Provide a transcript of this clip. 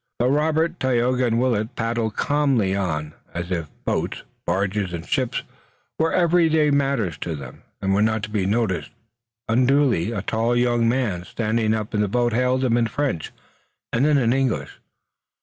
But Robert, Tayoga and Willet paddled calmly on, as if boats, barges and ships were everyday matters to them, and were not to be noticed unduly. A tall young man standing up in the boat hailed them in French and then in English.